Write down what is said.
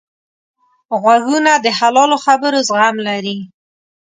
غوږونه د حلالو خبرو زغم لري